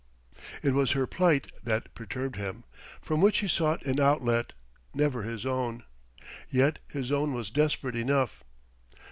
It was her plight that perturbed him, from which he sought an outlet never his own. Yet his own was desperate enough....